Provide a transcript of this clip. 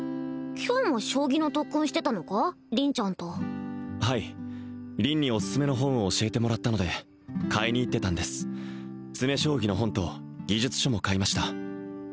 今日も将棋の特訓してたのか凛ちゃんとはい凛にオススメの本を教えてもらったので買いに行ってたんです詰将棋の本と技術書も買いました